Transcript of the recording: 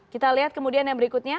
kita lihat kemudian yang berikutnya